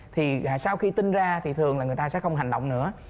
thì sau khi tin ra thì thường là người ta sẽ không hành động nữa